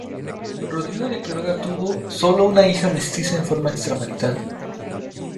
Rodrigo de Quiroga tuvo sólo una hija mestiza en forma extramarital.